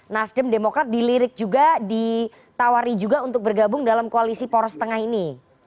nasdem demokrat dilirik juga ditawari juga untuk bergabung dalam koalisi poros tengah ini